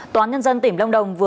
toán nhân dân tỉnh long đồng viết